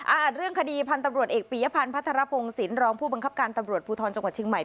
อาจเรื่องคดีพันธุ์ตำรวจเอกปียพันธ์พัทรพงศิลปรองผู้บังคับการตำรวจภูทรจังหวัดเชียงใหม่